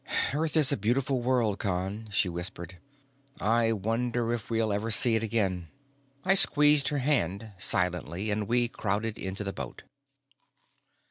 "Earth is a beautiful world, Con," she whispered. "I wonder if we'll ever see it again." I squeezed her hand, silently, and we crowded into the boat.